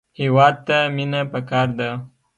هېواد ته مینه پکار ده